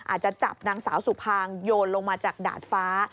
อาจจะจับนางสาวสุภางโยนลงมาจากดาดฟ้า